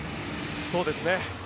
そうですね。